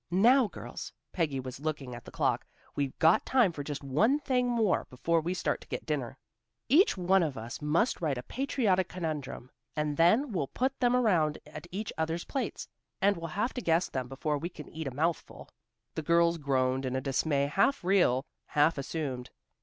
"Now, girls," Peggy was looking at the clock, "we've got time for just one thing more before we start to get dinner. Each one of us must write a patriotic conundrum, and then we'll put them around at each other's plates, and we'll have to guess them before we can eat a mouthful." The girls groaned in a dismay half real, half assumed.